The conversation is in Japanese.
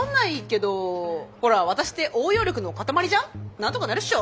なんとかなるっしょ。